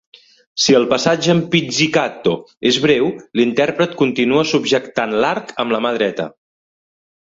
Si el passatge en pizzicato és breu, l'intèrpret continua subjectant l'arc amb la mà dreta.